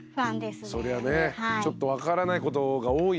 そりゃねちょっと分からないことが多いし。